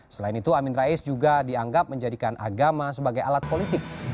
selain itu amin rais juga dianggap menjadikan agama sebagai alat politik